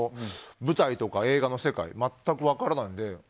舞台とか映画の世界全く分からないので。